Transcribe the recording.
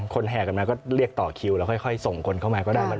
แห่กันมาก็เรียกต่อคิวแล้วค่อยส่งคนเข้ามาก็ได้